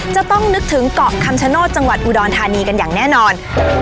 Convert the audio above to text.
จะต้องนึกถึงเกาะคำชโนธจังหวัดอุดรธานีกันอย่างแน่นอน